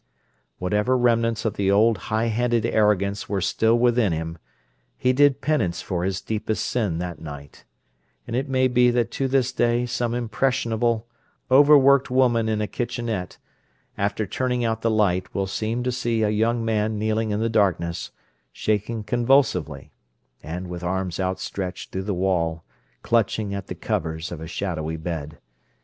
Whatever remnants of the old high handed arrogance were still within him, he did penance for his deepest sin that night—and it may be that to this day some impressionable, overworked woman in a "kitchenette," after turning out the light will seem to see a young man kneeling in the darkness, shaking convulsively, and, with arms outstretched through the wall, clutching at the covers of a shadowy bed.